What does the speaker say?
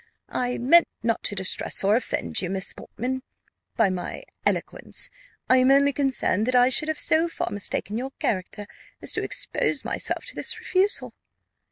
"I meant not to distress or offend you, Miss Portman, by my eloquence: I am only concerned that I should have so far mistaken your character as to expose myself to this refusal."